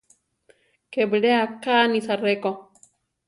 Ké bilé akánisa ré ko.